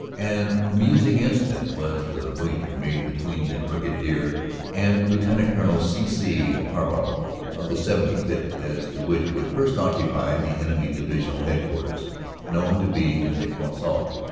An amusing incident was the wager made between the Brigadier and Lt. Col. C. C. Harbottle of the 75th. as to which should first occupy the enemy divisional headquarters known to be in Le Quesnel.